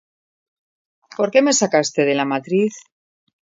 ¿Por qué me sacaste de la matriz?